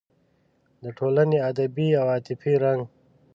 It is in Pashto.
د ټولنې ادبي او عاطفي رنګ